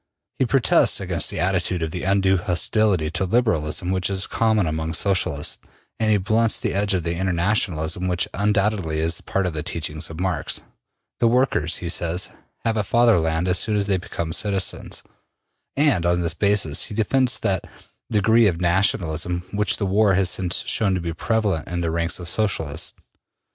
He protests against the attitude of undue hostility to Liberalism which is common among Socialists, and he blunts the edge of the Internationalism which undoubtedly is part of the teachings of Marx. The workers, he says, have a Fatherland as soon as they become citizens, and on this basis he defends that degree of nationalism which the war has since shown to be prevalent in the ranks of Socialists.